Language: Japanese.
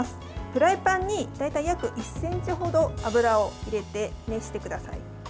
フライパンに大体約１ｃｍほど油を入れて熱してください。